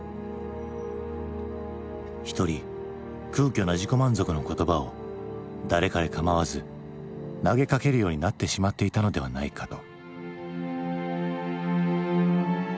一人空虚な自己満足の言葉を誰かれ構わず投げかけるようになってしまっていたのではないかと。